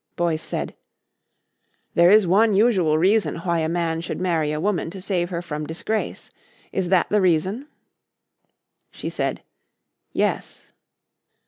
Boyce said: "There is one usual reason why a man should marry a woman to save her from disgrace. Is that the reason?" She said "Yes."